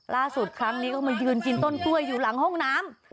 ครั้งนี้ก็มายืนกินต้นกล้วยอยู่หลังห้องน้ำ